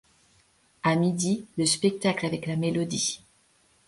À midi, le spectacle avec la mélodie.